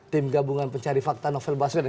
tim gabungan pencari fakta novel baswedan